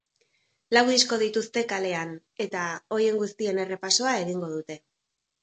Lau disko dituzte kalean eta horien guztien errepasoa egingo dute.